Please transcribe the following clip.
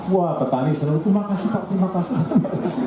wah petani selalu terima kasih pak terima kasih